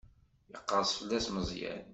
Iqerres fell-as Meẓyan.